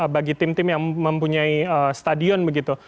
bagi tim tim yang mempunyai stadion begitu